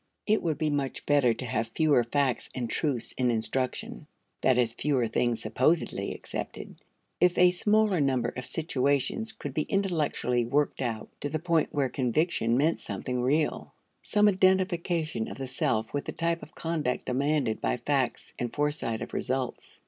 It would be much better to have fewer facts and truths in instruction that is, fewer things supposedly accepted, if a smaller number of situations could be intellectually worked out to the point where conviction meant something real some identification of the self with the type of conduct demanded by facts and foresight of results.